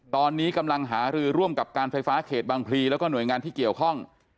ตอนนี้กำลังหารือร่วมกับการไฟฟ้าเขตบางพลีแล้วก็หน่วยงานที่เกี่ยวข้อง